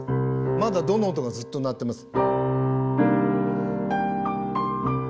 まだドの音がずっと鳴ってます。